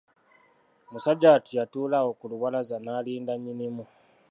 Musajja wattu yatuula awo ku lubalaza n'alinda nnyinimu.